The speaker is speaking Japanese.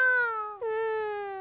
うん。